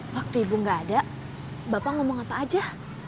waktu ibu gak ada bapak ngomong apa aja